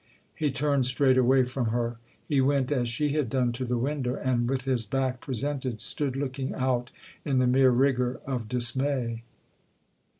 He turned straight away from her ; he went, as she had done, to the window and, with his back presented, stood looking out in the mere rigour of dismay.